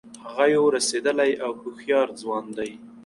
هغه یو رسېدلی او هوښیار ځوان دی.